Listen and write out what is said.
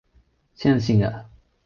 痴撚線架！